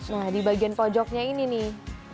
nah di bagian pojoknya ini nih